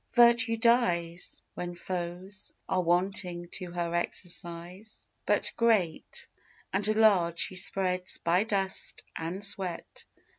Virtue dies when foes Are wanting to her exercise, but, great And large she spreads by dust and sweat.